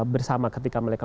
bersama ketika mereka